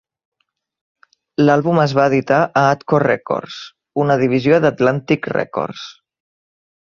L'àlbum es va editar a Atco Records, una divisió d'Atlantic Records.